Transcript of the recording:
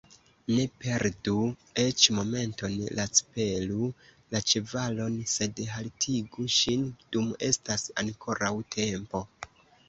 Ne perdu eĉ momenton, lacpelu la ĉevalon, sed haltigu ŝin, dum estas ankoraŭ tempo!